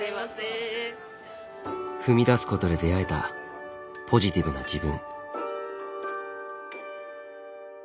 踏み出すことで出会えたポジティブな自分。